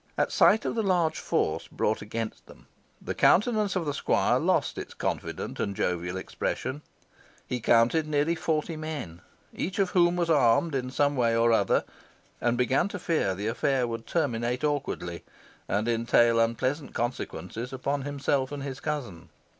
At sight of the large force brought against them, the countenance of the squire lost its confident and jovial expression. Pie counted nearly forty men, each of whom was armed in some way or other, and began to fear the affair would terminate awkwardly, and entail unpleasant consequences upon himself and his cousin.